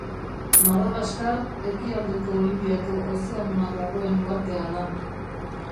Madagaskar ekialdeko Indiako ozeanoan dagoen uhartea da.